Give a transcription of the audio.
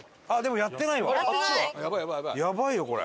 やばいよこれ。